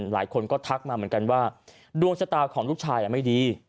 หลายคนก็ทักมาเหมือนกันว่าดวงชะตาของลูกชายไม่ดี